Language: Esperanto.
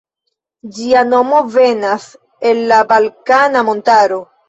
Ĝia nomo venas el la Balkana Montaro.